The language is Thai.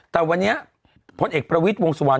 แต่วันนี้พลเอกประวิทย์วงสุวรร